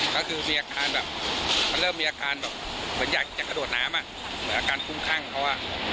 ก็คือมีอาการแบบมันเริ่มมีอาการแบบเหมือนอยากจะกระโดดน้ำอ่ะเหมือนอาการคุ้มคลั่งเขาอ่ะ